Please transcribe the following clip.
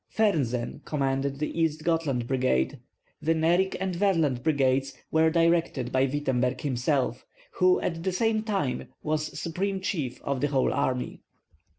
Fersen commanded the East Gothland brigade; the Nerik and Werland brigades were directed by Wittemberg himself, who at the same time was supreme chief of the whole army.